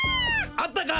あったか？